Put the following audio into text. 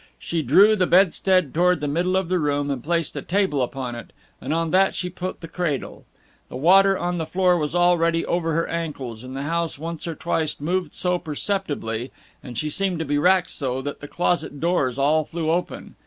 She drew the bedstead toward the middle of the room, and placed a table upon it and on that she put the cradle. The water on the floor was already over her ankles, and the house once or twice moved so perceptibly, and seemed to be racked so, that the closet doors all flew open.